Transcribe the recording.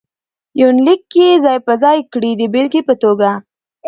يونليک کې ځاى په ځاى کړي د بېلګې په توګه: